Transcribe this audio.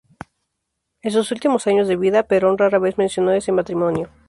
En sus últimos años de vida, Perón rara vez mencionó ese matrimonio.